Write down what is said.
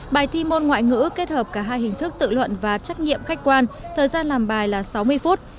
bài thi môn ngoại ngữ kết hợp cả hai hình thức tự luận và trách nhiệm khách quan thời gian làm bài là sáu mươi phút